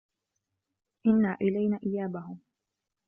إِنَّ إِلَينا إِيابَهُم